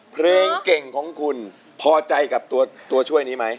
เพลงเก่งของคุณพอใจกับตัวช่วยนี้ไหม